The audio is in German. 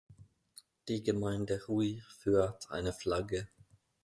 Die Gemeinde Huy führt eine Flagge.